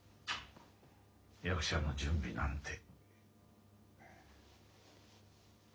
役者の準備なんて。